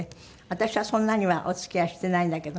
私はそんなにはお付き合いしていないんだけど。